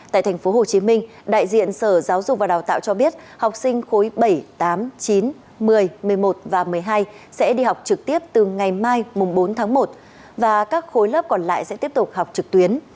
tại tp hcm đại diện sở giáo dục và đào tạo cho biết học sinh khối bảy tám chín một mươi một mươi một và một mươi hai sẽ đi học trực tiếp từ ngày mai bốn tháng một và các khối lớp còn lại sẽ tiếp tục học trực tuyến